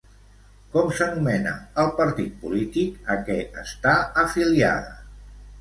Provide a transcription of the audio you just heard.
Com s'anomena el partit polític a què està afiliada?